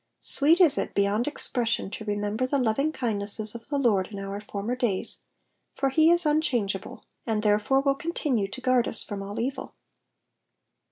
Sweet is it beyond expression to re member the lovingkindnesses of the Lord in our former <^ys, for he is unchangeable, and therefore will continue to guard us from all evil.